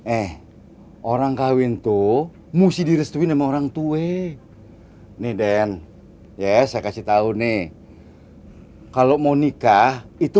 eh orang kawin tuh mesti direstuin sama orangtua ini den ya saya kasih tahu nih kalau mau nikah itu